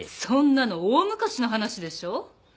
そんなの大昔の話でしょう？